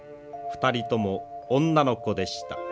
２人とも女の子でした。